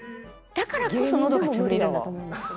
だからこそ喉が潰れるんだと思うんですけど。